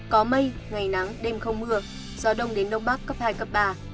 có mây ngày nắng đêm không mưa gió đông đến đông bắc cấp hai cấp ba